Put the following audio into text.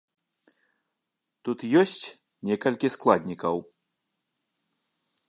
Тут ёсць некалькі складнікаў.